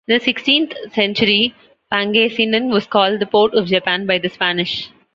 In the sixteenth-century Pangasinan was called the "Port of Japan" by the Spanish.